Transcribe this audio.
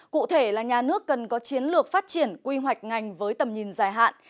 cụ thể là nhà nước cần có chiến lược phát triển quy hoạch ngành với tầm nhìn dài hạn